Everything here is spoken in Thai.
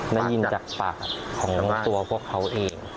ได้ยินจากปากของตัวพวกเขาเอง